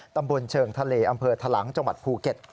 ตำบลเชิงทะเลอำเภอทะลังจังหวัดภูเก็ต